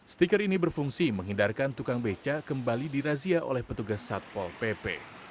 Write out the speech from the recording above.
stiker ini berfungsi menghindarkan tukang beca kembali dirazia oleh petugas satpol pp